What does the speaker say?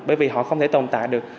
bởi vì họ không thể tồn tại được